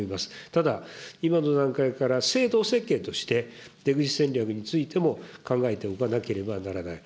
ただ、今の段階から制度設計として、出口戦略についても、考えておかなければならない。